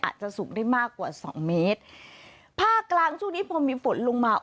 อาจจะสูงได้มากกว่าสองเมตรภาคกลางช่วงนี้พอมีฝนลงมา